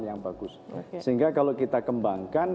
yang bagus sehingga kalau kita kembangkan